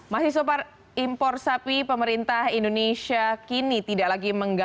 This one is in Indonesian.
masih sopar impor sapi pemerintah indonesia kini tidak lagi mengganggu